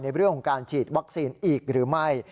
ในเรื่องของการฉีดวัคซีนอีกหรือไม่